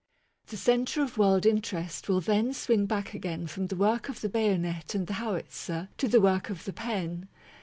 The centre of world interest will then swing back again from the work of the bayonet and the howitzer to the work of the pen.